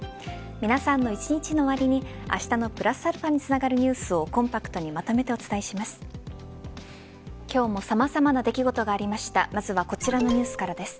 みなさんの一日の終わりにあしたのプラスαにつながるニュースをコンパクトにまとめてお伝えします。